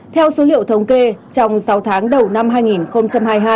theo số liệu thống kê trong sáu tháng đầu năm hai nghìn hai mươi hai